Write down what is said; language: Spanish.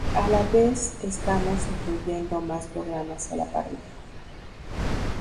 Ala vez estamos incluyendo mas programas a la parrilla.